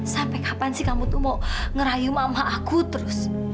sampai kapan sih kamu tuh mau ngerayu mama aku terus